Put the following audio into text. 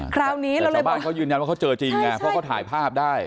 คราวนี้เราเลยบอกแต่ชาวบ้านเขายืนยันว่าเขาเจอจริงอ่ะเพราะเขาถ่ายภาพได้